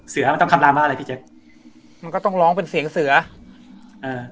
เสือมันต้องคำลัมว่าอะไรพี่แจ็คมันก็ต้องร้องเป็นเสียงเสือเออ